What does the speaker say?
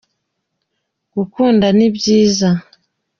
gukunda nibyiza.